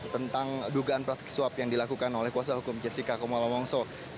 tentang dugaan praktik suap yang dilakukan oleh kuasa hukum jessica kumala wongso